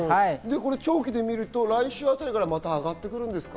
長期で見ると来週あたりからまた上がってくるんですか？